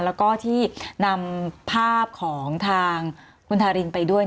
แล้วก็ที่นำภาพของทางคุณทารินไปด้วย